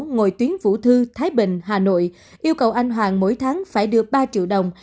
ngồi tuyến vũ thư thái bình hà nội yêu cầu anh hoàng mỗi tháng phải đưa ba triệu đồng